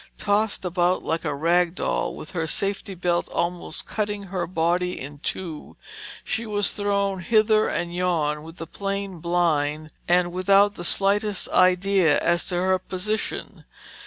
Tossed about like a rag doll, with her safety belt almost cutting her body in two, she was thrown hither and yon with the plane, blind, and without the slightest idea as to her position.